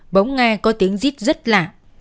bóng nghe có tiếng giít rất lạ